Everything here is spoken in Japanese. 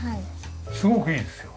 すごくいいですよ。